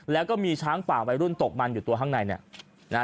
แล้วก็มีช้างป่าวัยรุ่นตกมันอยู่ตัวข้างในเนี่ยนะฮะ